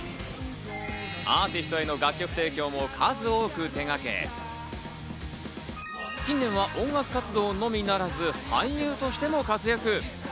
アーティストへの楽曲提供も数多く手がけ、近年は音楽活動のみならず、俳優としても活躍。